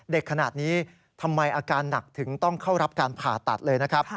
เด็กขนาดนี้ทำไมอาการหนักถึงต้องเข้ารับการผ่าตัดเลยนะครับ